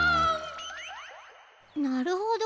なるほど。